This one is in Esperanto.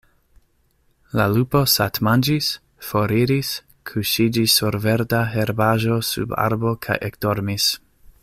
La lupo satmanĝis, foriris, kuŝiĝis sur verda herbaĵo sub arbo kaj ekdormis.